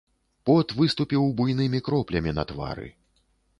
Пот выступіў буйнымі кроплямі на твары.